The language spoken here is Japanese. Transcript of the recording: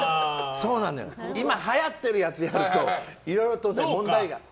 今、はやってるやつやるといろいろと問題が。